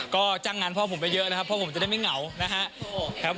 ก็จังงานพ่อผมไปเยอะนะครับพ่อผมจะได้ไม่เหงานะฮะ